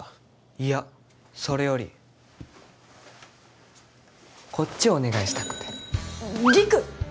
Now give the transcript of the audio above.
いやそれよりこっちお願いしたくて陸！